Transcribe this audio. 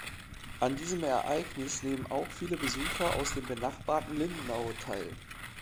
An diesem Ereignis nehmen auch viele Besucher aus dem benachbarten Lindenau teil.